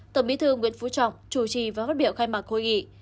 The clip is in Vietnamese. tổng bí thư nguyễn phú trọng chủ trì và phát biểu khai mạc hội nghị